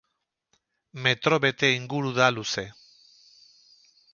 Metro bete inguru da luze.